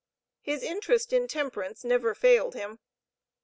His interest in temperance never failed him.